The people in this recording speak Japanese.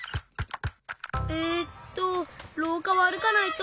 えっとろうかはあるかないと。